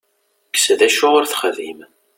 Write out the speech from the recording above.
Kkes d acu ur texdim.